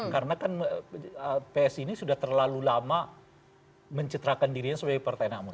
karena kan psi ini sudah terlalu lama mencitrakan dirinya sebagai partai anak muda